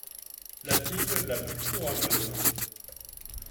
La fille la plus courageuse.